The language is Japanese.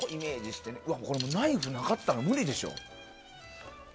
ナイフなかったら無理でしょ。